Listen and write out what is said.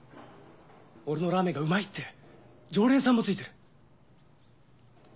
俺のラーメンがうまいって常連さんもついてる。